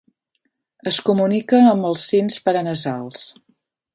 Es comunica amb els sins paranasals.